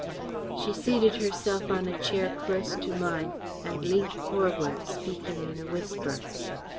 She seated herself on a chair close to mine, and leant forward, speaking in a whisper.